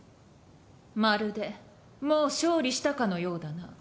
まるでもう勝利したかのようだな。